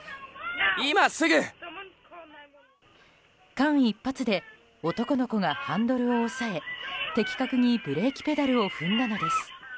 間一髪で男の子がハンドルを押さえ的確にブレーキペダルを踏んだのです。